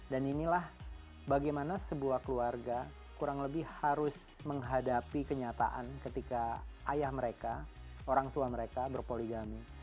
inilah bagaimana sebuah keluarga kurang lebih harus menghadapi kenyataan ketika ayah mereka orang tua mereka berpoligami